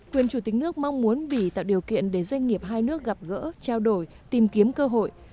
quyền chủ tịch nước mong muốn bỉ tạo điều kiện để doanh nghiệp hai nước gặp gỡ trao đổi tìm kiếm cơ hội